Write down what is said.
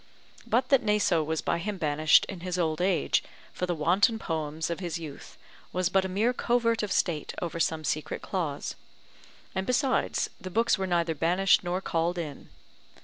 But that Naso was by him banished in his old age, for the wanton poems of his youth, was but a mere covert of state over some secret cause: and besides, the books were neither banished nor called in.